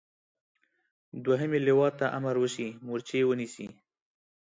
دوهمې لواء ته امر وشي مورچې ونیسي.